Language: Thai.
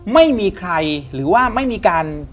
ไม่มีใครหรือว่าไม่มีการ